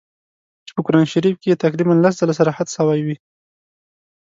چي په قرآن شریف کي یې تقریباً لس ځله صراحت سوی وي.